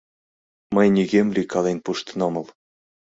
— Мый нигӧм лӱйкален пуштын омыл.